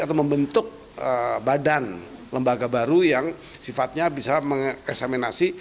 atau membentuk badan lembaga baru yang sifatnya bisa mengesaminasi